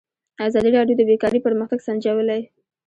ازادي راډیو د بیکاري پرمختګ سنجولی.